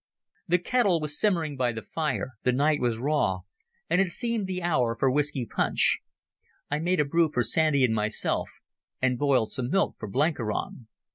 The kettle was simmering by the fire, the night was raw, and it seemed the hour for whisky punch. I made a brew for Sandy and myself and boiled some milk for Blenkiron.